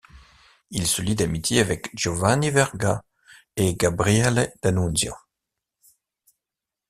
Il se lie d'amitié avec Giovanni Verga et Gabriele D'Annunzio.